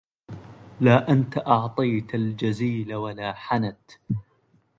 لا أنت أعطيت الجزيل ولا حنت